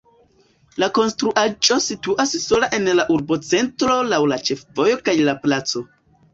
La konstruaĵo situas sola en la urbocentro laŭ la ĉefvojo kaj placo.